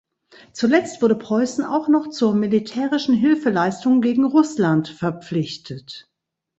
Zuletzt wurde Preußen auch noch zur militärischen Hilfeleistung gegen Russland verpflichtet.